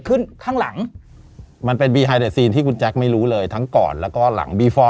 ขึ้นข้างหลังมันเป็นที่คุณแจ็คไม่รู้เลยทั้งก่อนแล้วก็หลัง